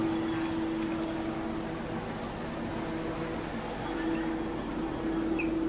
สวัสดีครับ